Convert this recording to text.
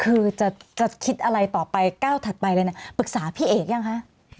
คือจะคิดอะไรต่อไปก้าวถัดไปเลยนะปรึกษาพี่เอกยังคะ